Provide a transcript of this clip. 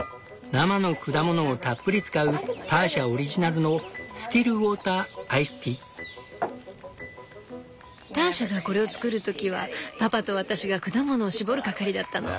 生の果物をたっぷり使うターシャオリジナルのターシャがこれを作る時はパパと私が果物を搾る係だったの。